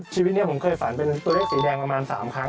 ชีวิตนี้ผมเคยฝันเป็นตัวเลขสีแดงประมาณ๓ครั้ง